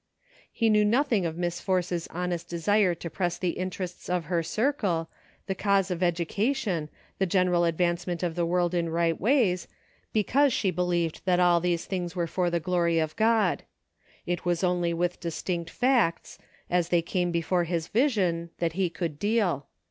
He knew nothing of Miss Force's honest desire to press the interests of her circle, the cause of edu cation, the general advancement of the world in right ways, because she believed that all these things were for the glory of God. It was only with distinct facts, as they came before his vision, that he could deal.